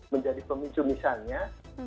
menjadi pemicu misalnya